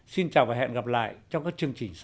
xin chào và hẹn gặp lại trong các chương trình sau